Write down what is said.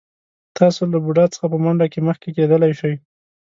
تاسو له بوډا څخه په منډه کې مخکې کېدلی شئ.